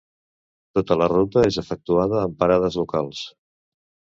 Tota la ruta és efectuada amb parades locals.